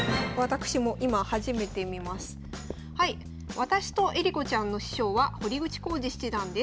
「私と恵梨子ちゃんの師匠は堀口弘治七段です。